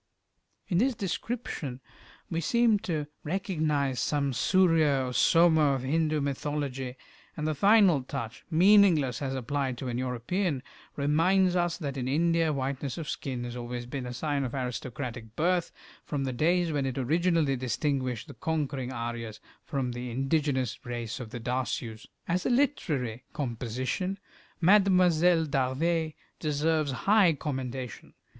In this description we seem to recognize some Surya or Soma of Hindu mythology, and the final touch, meaningless as applied to an European, reminds us that in India whiteness of skin has always been a sign of aristocratic birth, from the days when it originally distinguished the conquering Aryas from the indigenous race of the Dasyous. As a literary composition "Mlle. D'Arvers" deserves high commendation.